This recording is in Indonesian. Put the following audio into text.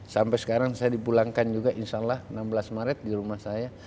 sampai sekarang saya dipulangkan juga insya allah enam belas maret di rumah saya